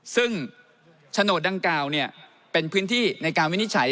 ซึ่งโฉนดดังกล่าวเป็นพื้นที่ในการวินิจฉัย